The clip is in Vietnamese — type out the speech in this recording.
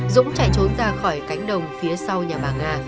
dũng chạy trốn ra khỏi cánh đồng phía sau nhà bà nga